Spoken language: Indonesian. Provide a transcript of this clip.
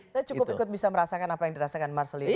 saya cukup ikut bisa merasakan apa yang dirasakan marceli